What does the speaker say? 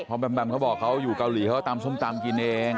เพราะแมมเขาบอกเขาอยู่เกาหลีเขาตำส้มตำกินเอง